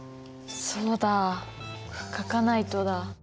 そうだ書かないとだ。